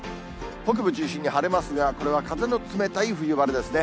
北部中心に晴れますが、これは風の冷たい冬晴れですね。